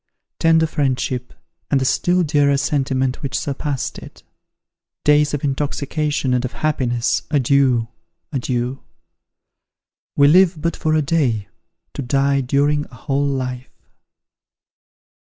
tender friendship, and the still dearer sentiment which surpassed it! days of intoxication and of happiness adeiu! adieu! We live but for a day, to die during a whole life!"